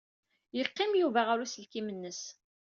Yeqqim Yuba ɣer uselkim-nnes.